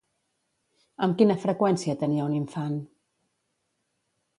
Amb quina freqüència tenia un infant?